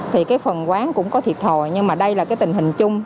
thì phần quán cũng có thiệt thòi nhưng mà đây là tình hình chung